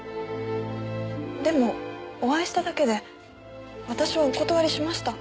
でもお会いしただけで私はお断りしました。